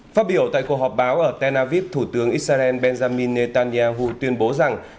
phát biểu tại cuộc họp báo ở tel aviv thủ tướng israel benjamin netanyahu tuyên bố rằng